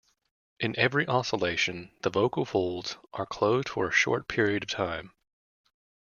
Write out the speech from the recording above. In every oscillation, the vocal folds are closed for a short period of time.